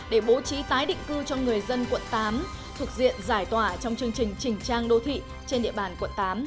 để bố trí tái định cư cho người dân quận tám thuộc diện giải tỏa trong chương trình chỉnh trang đô thị trên địa bàn quận tám